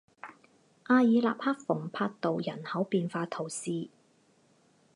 阿尔纳克蓬帕杜人口变化图示